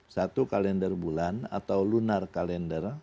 satu kalender bulan atau lunar kalender